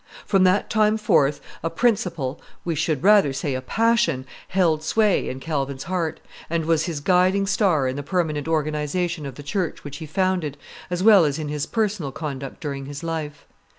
From that time forth a principle, we should rather say a passion, held sway in Calvin's heart, and was his guiding star in the permanent organization of the church which he founded, as well as in his personal conduct during his life.